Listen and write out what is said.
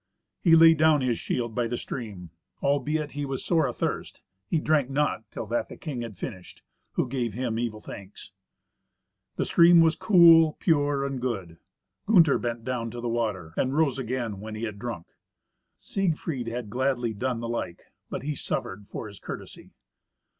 He laid down his shield by the stream. Albeit he was sore athirst, he drank not till that the king had finished, who gave him evil thanks. The stream was cool, pure, and good. Gunther bent down to the water, and rose again when he had drunk. Siegfried had gladly done the like, but he suffered for his courtesy.